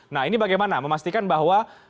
nah ini bagaimana memastikan bahwa